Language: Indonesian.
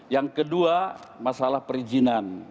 yang kedua masalah perizinan